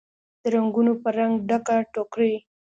د رنګونوپه رنګ، ډکه ټوکرۍ